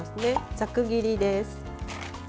ざく切りです。